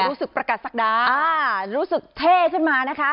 รู้สึกประกัดศักดารู้สึกเท่ขึ้นมานะคะ